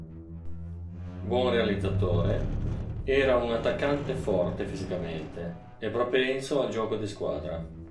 Buon realizzatore, era un attaccante forte fisicamente e propenso al gioco di squadra.